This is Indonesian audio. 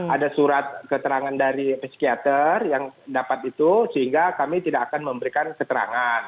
ada surat keterangan dari psikiater yang dapat itu sehingga kami tidak akan memberikan keterangan